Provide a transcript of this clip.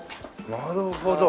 なるほど。